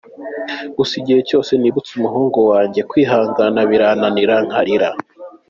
Gusa igihe cyose nibutse umuhungu wanjye kwihangana birananira nkarira.